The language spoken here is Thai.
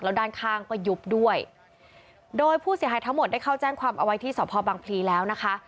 แล้วด้านข้างก็ยุบด้วยโดยผู้เสียหายทั้งหมดได้เข้าแจ้งความเอาไว้ที่สพบังพลีแล้วนะคะ